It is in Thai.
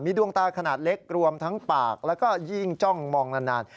ดวงตาขนาดเล็กรวมทั้งปากแล้วก็ยิ่งจ้องมองนาน